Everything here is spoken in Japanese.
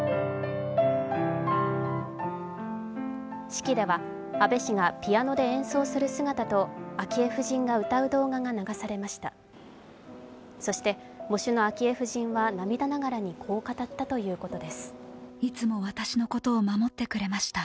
式では、安倍氏がピアノで演奏する姿と昭恵夫人が歌う動画が流されました。